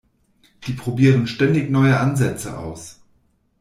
Die probieren ständig neue Ansätze aus.